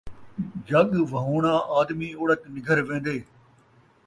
جڳ وہوݨا آدمی اوڑک نگھر وین٘دے